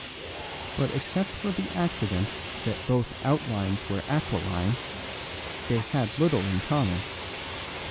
But except for the accident that both outlines were aquiline, they had little in common.